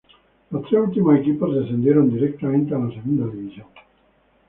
Los tres últimos equipos descendieron directamente a la Segunda División.